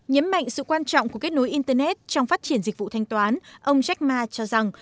nhấn mạnh sự quan trọng của kết nối internet trong phát triển dịch vụ thanh toán ông jakar cho rằng